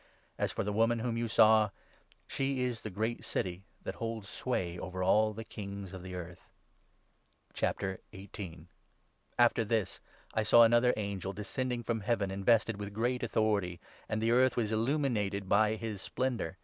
As for the woman whom 18 you saw, she is the great city that holds sway over all the kings of the earth.' After this I saw another angel, descending from Heaven, i invested with great authority ; and the earth was illuminated by his splendour.